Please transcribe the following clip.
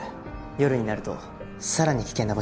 夜になるとさらに危険な場所になる。